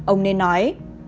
ông nên nói